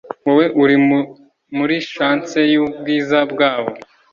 Wowe uri muri chancel yubwiza bwabo